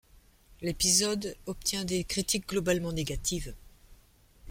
L'épisode obtient des critiques globalement négatives.